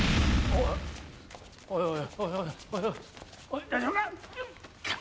おい。